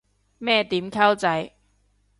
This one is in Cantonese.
咩點溝仔